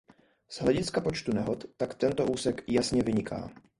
Z hlediska počtu nehod tak tento úsek jasně vyniká.